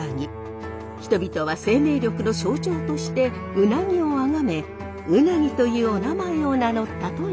人々は生命力の象徴として鰻を崇め鰻というおなまえを名乗ったといいます。